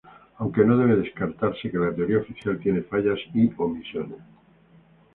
Aunque no debe descartarse que la teoría oficial tiene fallas y omisiones.